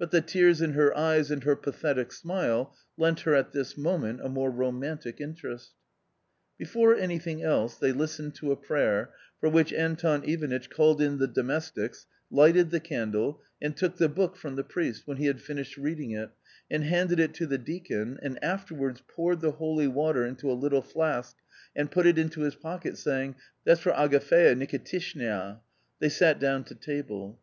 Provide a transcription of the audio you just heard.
But the tears in her eyes and her pathetic smile lent her at this moment a more romantic interest Before anything else they listened to a prayer, for which Anton Ivanitch called in the domestics, lighted the candle, and took the book from the priest, when he had finished reading it, and handed it to the deacon, and afterwards poured the holy water into a little flask and put it into his pocket, saying " That's for Agafea Nikitishnya." They sat down to table.